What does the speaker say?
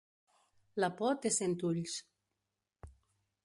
La por té cent ulls.